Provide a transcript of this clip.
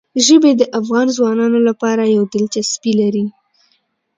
ژبې د افغان ځوانانو لپاره یوه دلچسپي لري.